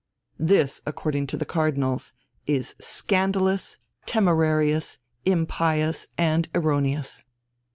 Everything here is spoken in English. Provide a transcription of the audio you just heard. This, according to the cardinals, "is scandalous, temerarious, impious, and erroneous."